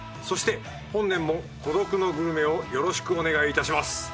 そして本年も『孤独のグルメ』をよろしくお願いいたします。